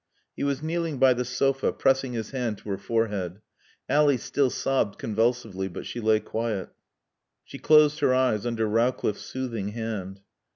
He was kneeling by the sofa, pressing his hand to her forehead. Ally still sobbed convulsively, but she lay quiet. She closed her eyes under Rowcliffe's soothing hand.